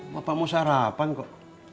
bapak mau sarapan kok